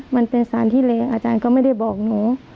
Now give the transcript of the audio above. มันเป็นสารที่เลวอาจารย์ก็ไม่ได้บอกหนู